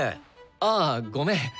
ああごめん。